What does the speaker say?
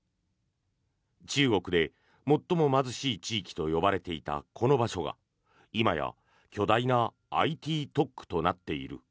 中国で最も貧しい地域と呼ばれていたこの場所が今や巨大なＩＴ特区となっている。